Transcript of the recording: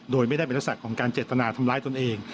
โดยไม่ได้เป็นลักษณะของการเจตนาทำร้ายตนเอง